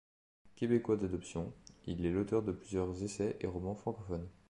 Québécois d'adoption, il est l'auteur de plusieurs essais et romans francophones.